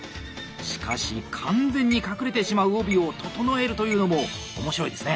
しかし完全に隠れてしまう帯を整えるというのも面白いですね。